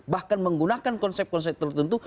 bahkan menggunakan konsep konsep tertentu